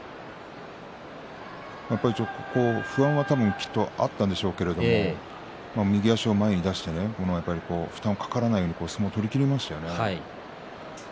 やっぱり不安はきっとあったんでしょうけれども右足を前に出して負担もかからないように相撲を取りきりましたね